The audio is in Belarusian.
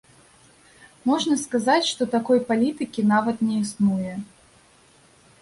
Можна сказаць, што такой палітыкі нават не існуе.